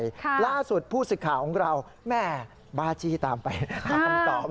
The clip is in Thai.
ครับล่าสุดผู้ศึกข่าวของเราแม่บ้าจี้ตามไปทางคำตอบ